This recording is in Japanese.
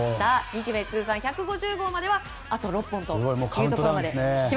日米通算１５０号まではあと６本というところです。